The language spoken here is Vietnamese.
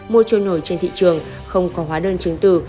mua trôi nổi trên thị trường không có hóa đơn chứng từ